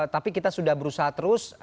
tapi kita sudah berusaha terus